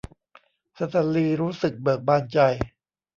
สแตนลีย์รู้สึกเบิกบานใจ